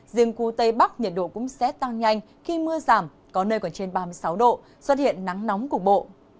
riêng khu tây bắc nhiệt độ cũng sẽ tăng nhanh khi mưa giảm có nơi còn trên ba mươi sáu độ xuất hiện nắng nóng cục bộ